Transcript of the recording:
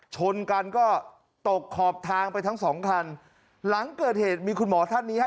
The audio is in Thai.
ชนกันก็ตกขอบทางไปทั้งสองคันหลังเกิดเหตุมีคุณหมอท่านนี้ฮะ